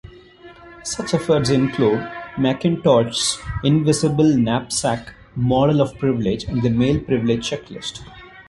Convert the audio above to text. Such efforts include McIntosh's "invisible knapsack" model of privilege and the "Male Privilege Checklist".